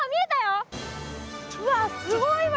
うわっすごいわ！